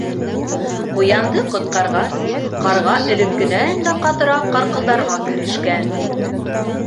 Ҡуянды ҡотҡарғас, Ҡарға элеккенән дә ҡатыраҡ ҡарҡылдарға керешкән: